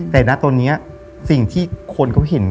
แต่นะตอนนี้สิ่งที่คนเขาเห็น